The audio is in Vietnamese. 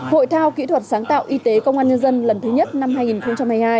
hội thao kỹ thuật sáng tạo y tế công an nhân dân lần thứ nhất năm hai nghìn hai mươi hai